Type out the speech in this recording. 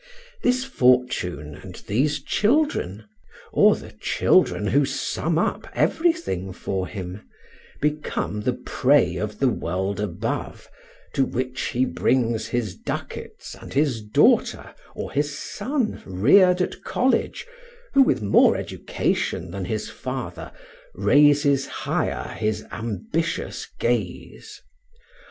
This fortune and these children, or the children who sum up everything for him, become the prey of the world above, to which he brings his ducats and his daughter or his son, reared at college, who, with more education than his father, raises higher his ambitious gaze.